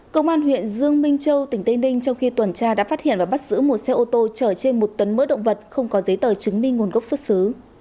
công an huyện dương minh châu tỉnh tây ninh trong khi tuần tra đã phát hiện và bắt giữ một xe ô tô chở trên một tấn mỡ động vật không có giấy tờ chứng minh nguồn gốc xuất xứ